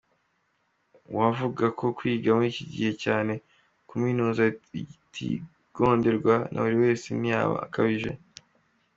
Uwavuga ko kwiga muri iki gihe cyane kuminuza bitigonderwa na buri wese ntiyaba akabije.